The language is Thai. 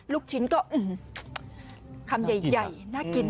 ลูกชิ้นก็คำใหญ่น่ากิน